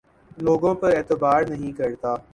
لوگوں پر اعتبار نہیں کرتا